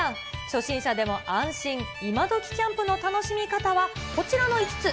初心者でも安心、イマドキキャンプの楽しみ方はこちらの５つ。